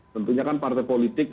tentunya kan partai politik